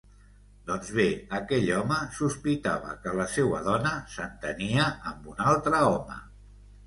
Doncs bé, aquell home sospitava que la seua dona s'entenia amb un altre home.